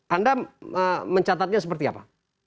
anda mencatatnya seperti apa